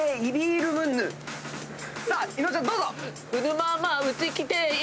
さあ伊野尾ちゃんどうぞ！